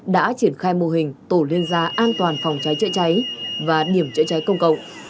đã triển khai mô hình tổn nên ra an toàn phòng cháy cháy cháy và điểm cháy cháy công cộng